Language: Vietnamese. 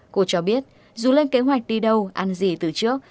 cô cho biết dù lên kế hoạch đi đâu ăn gì từ trước